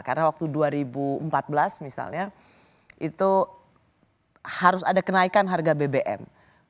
karena waktu dua ribu empat belas misalnya itu harus ada kenaikan harga bbm